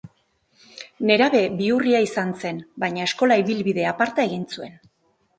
Nerabe bihurria izan zen, baina eskola ibilbide aparta egin zuen.